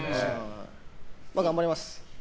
まあ頑張ります。